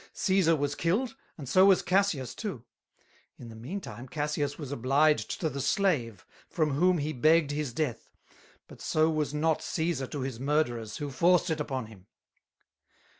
Cæsar was killed, and so was Cassius too: In the mean time Cassius was obliged to the Slave, from whom he begg'd his Death, but so was not Cæsar to his Murderers, who forced it upon him.